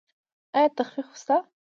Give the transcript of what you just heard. ایا تخفیف شته؟